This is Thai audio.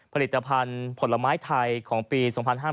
ผลิตภัณฑ์ผลไม้ไทยของปี๒๕๕๙